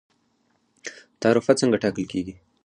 تعرفه څنګه ټاکل کیږي؟